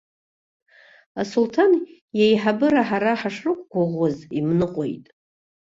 Асулҭан иеиҳабыра ҳара ҳашрықәгәыӷуаз имныҟәеит.